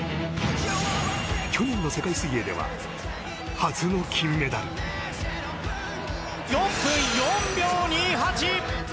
去年の世界水泳では初の金メダル。４分４秒２８！